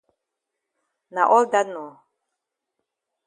Na all dat nor.